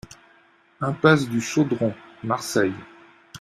Impasse du Chaudron, Marseille